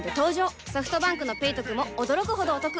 ソフトバンクの「ペイトク」も驚くほどおトク